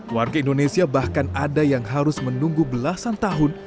warga indonesia bahkan ada yang harus menunggu belasan tahun